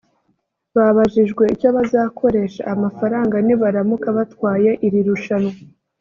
Babajijwe icyo bazakoresha amafaranga nibaramuka batwaye iri rushanwa